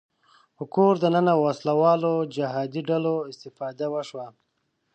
په کور دننه وسله والو جهادي ډلو استفاده وشوه